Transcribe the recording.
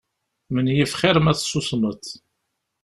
Menyif xir ma tessusmeḍ.